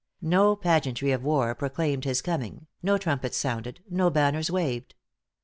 No pageantry of war proclaimed his coming no trumpets sounded no banners waved.